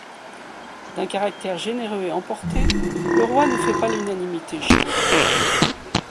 D'un caractère généreux et emporté, le roi ne fait pas l'unanimité chez les grands.